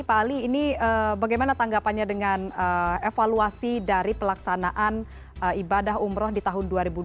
pak ali ini bagaimana tanggapannya dengan evaluasi dari pelaksanaan ibadah umroh di tahun dua ribu dua puluh